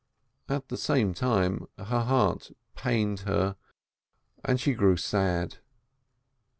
At the same time her heart pained her. and she grew sad.